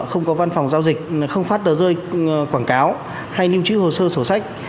không có văn phòng giao dịch không phát tờ rơi quảng cáo hay lưu trữ hồ sơ sổ sách